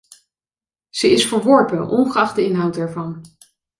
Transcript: Ze is verworpen, ongeacht de inhoud ervan.